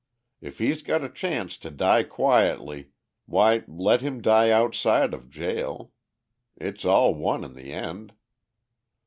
If he's got a chance to die quietly, why let him die outside of jail. It's all one in the end."